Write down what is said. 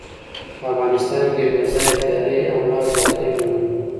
په افغانستان يو بې ځايه تېرے، حمله او زياتے ګڼلو